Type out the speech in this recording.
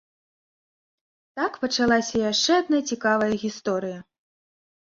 Так пачалася яшчэ адна цікавая гісторыя.